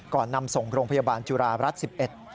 นำส่งโรงพยาบาลจุฬารัฐ๑๑